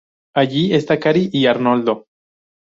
Allí esta Cari y Arnoldo.